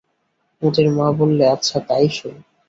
মোতির মা বললে, আচ্ছা, তাই সই।